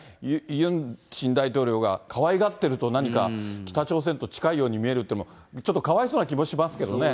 ユン新大統領がかわいがってると何か北朝鮮と近いように見えるというのも、ちょっとかわいそうな気もしますけどね。